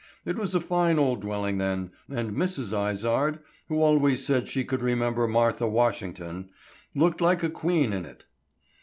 It was a fine old dwelling then, and Mrs. Izard, who always said she could remember Martha Washington, looked like a queen in it."